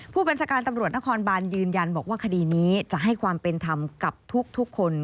ผู้บัญชาการตำรวจนครบานยืนยันบอกว่าคดีนี้จะให้ความเป็นธรรมกับทุกคน